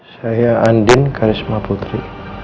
saya andin karisma putri